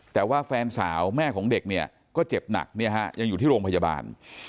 แต่ว่าแฟนสาวแม่ของเด็กเนี่ยก็เจ็บหนักเนี่ยฮะยังอยู่ที่โรงพยาบาล